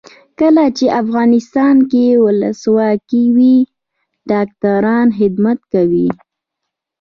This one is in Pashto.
کله چې افغانستان کې ولسواکي وي ډاکټران خدمت کوي.